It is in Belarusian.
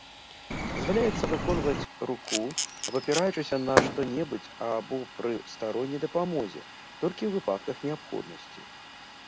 Дазваляецца выконваць руку абапіраючыся на што-небудзь або пры старонняй дапамозе, толькі ў выпадках неабходнасці.